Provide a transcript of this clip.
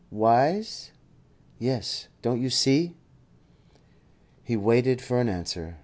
"Wise?" "Yes. Don't you see?" He waited for an answer.